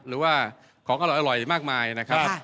หรือว่าของอร่อยมากมายนะครับ